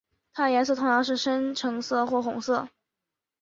它们的颜色通常是深橙色或红色。